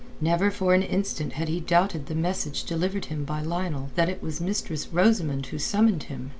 Never for an instant had he doubted the message delivered him by Lionel that it was Mistress Rosamund who summoned him.